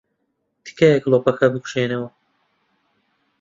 تکایە گڵۆپەکە بکوژێنەوە.